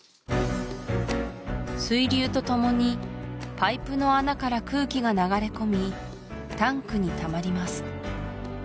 水流とともにパイプの穴から空気が流れ込みタンクにたまります